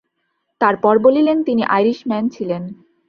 তার পর বলিলেন, তিনি আইরিশম্যান ছিলেন।